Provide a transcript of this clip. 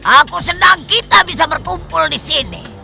aku senang kita bisa berkumpul disini